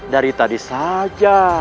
dari tadi saja